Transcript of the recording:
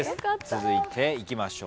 続いていきましょう。